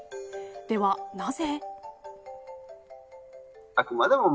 では、なぜ。